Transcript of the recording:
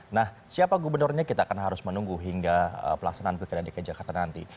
nah siapa gubernurnya kita akan harus menunggu hingga pelaksanaan pilkada dki jakarta nanti